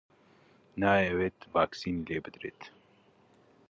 نایەوێت ڤاکسینی لێ بدرێت.